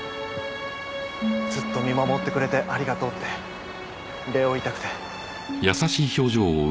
ずっと見守ってくれてありがとうって礼を言いたくて。